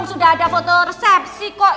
sudah ada foto resepsi kok